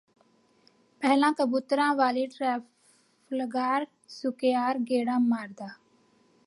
ਪਹਿਲਾਂ ਕਬੂਤਰਾਂ ਵਾਲੇ ਟਰੈਫਲਗਾਰ ਸੁਕੇਅਰ ਗੇੜਾ ਮਾਰਦਾ